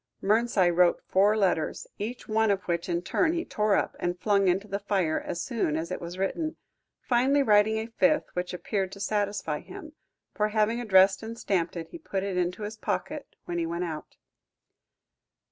Mernside wrote four letters, each one of which in turn he tore up and flung into the fire as soon as it was written, finally writing a fifth, which appeared to satisfy him, for, having addressed and stamped it, he put it into his pocket when he went out.